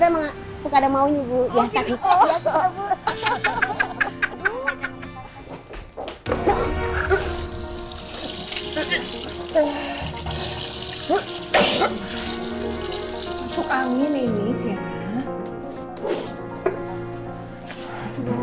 masuk angin ini sih